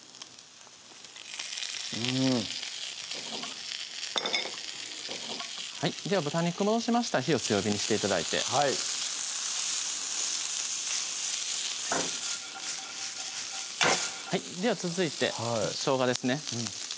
うんでは豚肉戻しましたら火を強火にして頂いてでは続いてしょうがですね